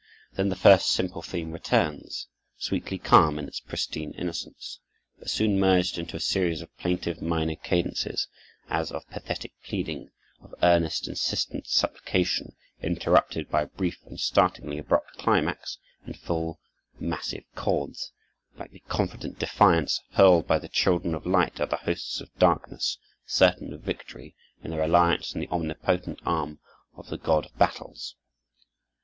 Then the first simple theme returns, sweetly calm in its pristine innocence, but soon merged into a series of plaintive minor cadences, as of pathetic pleading, of earnest, insistent supplication, interrupted by a brief and startlingly abrupt climax, in full massive chords, like the confident defiance hurled by the children of light at the hosts of darkness, certain of victory, in their reliance on the omnipotent arm of the God of battles.